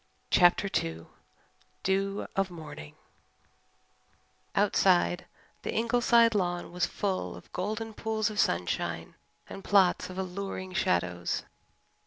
CHAPTER II DEW OF MORNING Outside, the Ingleside lawn was full of golden pools of sunshine and plots of alluring shadows.